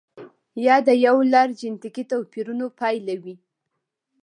یا د یو لړ جنتیکي توپیرونو پایله وي.